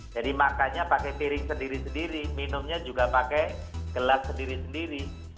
jadi makannya pakai piring sendiri sendiri minumnya juga pakai gelas sendiri sendiri